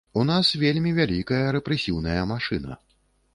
У нас вельмі вялікая рэпрэсіўная машына.